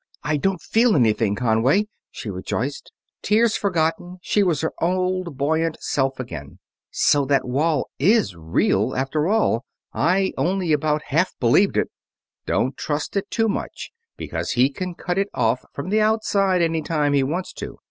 "I don't feel anything, Conway!" she rejoiced. Tears forgotten, she was her old, buoyant self again. "So that wall is real, after all? I only about half believed it." "Don't trust it too much, because he can cut it off from the outside any time he wants to.